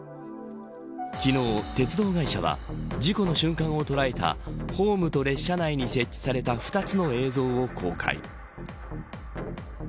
昨日、鉄道会社は事故の瞬間を捉えたホームと車内に設置された２つの映像を公開。